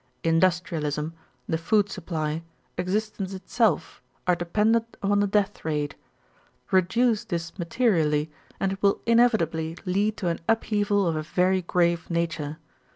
'Industrialism, the food supply, existence itself are dependent upon the death rate. Reduce this materially and it will inevitably lead to an upheaval of a very grave nature.